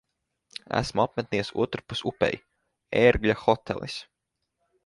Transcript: Esmu apmeties otrpus upei. "Ērgļa hotelis".